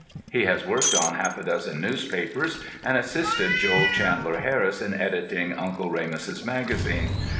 He has worked on half a dozen newspapers, and assisted Joel Chandler Harris in editing "Uncle Remus's Magazine."